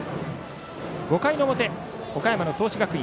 ５回の表、岡山の創志学園。